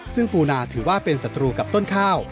ซึ่งปูนาถือว่าเป็นศัตรูกับต้นข้าว